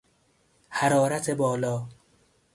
حرارت بالا